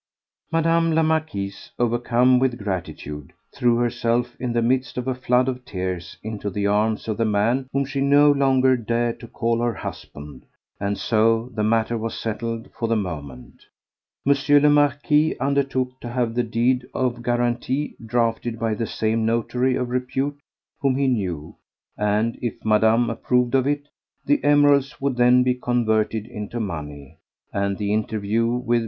Madame la Marquise, overcome with gratitude, threw herself, in the midst of a flood of tears, into the arms of the man whom she no longer dared to call her husband, and so the matter was settled for the moment. M. le Marquis undertook to have the deed of guarantee drafted by the same notary of repute whom he knew, and, if Madame approved of it, the emeralds would then be converted into money, and the interview with M.